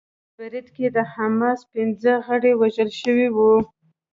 په هغه برید کې د حماس پنځه غړي وژل شوي وو